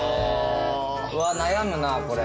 うわ悩むなこれ。